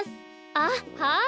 あっはい。